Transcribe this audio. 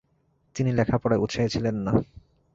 তিনি লেখাপড়ায় উৎসাহী ছিলেন না।